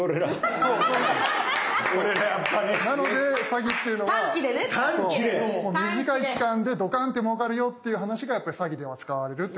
でもなので詐欺っていうのは短い期間でドカンってもうかるよっていう話がやっぱり詐欺では使われるってことなんですよね。